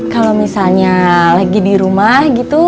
kalau misalnya lagi di rumah gitu